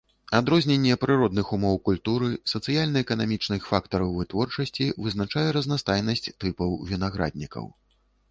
Адрозненне прыродных умоў культуры, сацыяльна-эканамічных фактараў вытворчасці вызначае разнастайнасць тыпаў вінаграднікаў.